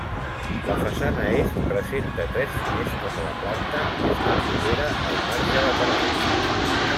La façana Est presenta tres finestres a la planta i està propera al marge lateral.